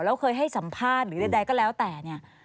แล้วเคยให้สัมภาษณ์หรือใดก็แล้วแต่เนี่ย